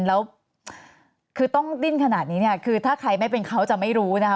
แล้วคือต้องดิ้นขนาดนี้เนี่ยคือถ้าใครไม่เป็นเขาจะไม่รู้นะคะ